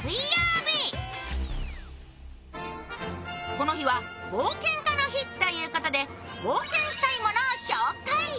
この日は冒険家の日ということで冒険したいものを紹介。